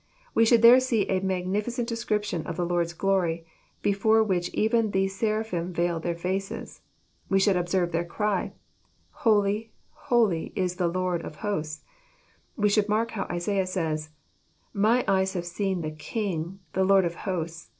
We should there see a magnificent description of the liOrd's glory, before which even the seraphim veiled their faces. We should observe their cry, "Holy, holy, is the Lord of Hosts I " We should mark how Isaiah says, " My eyes have seen the King, the Lord of Hosts."